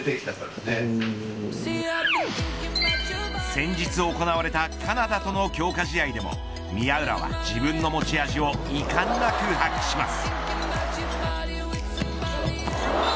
先日行われたカナダとの強化試合でも宮浦は、自分の持ち味をいかんなく発揮します。